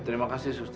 ya terima kasih suster